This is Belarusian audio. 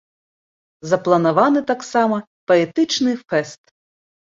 Запланаваны таксама паэтычны фэст.